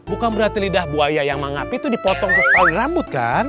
bukan berarti lidah buaya yang mangapi itu dipotong kepal rambut kan